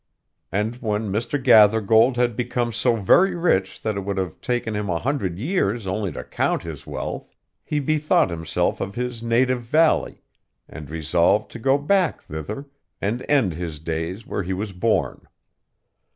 And, when Mr. Gathergold had become so very rich that it would have taken him a hundred years only to count his wealth, he bethought himself of his native valley, and resolved to go back thither, and end his days where he was born.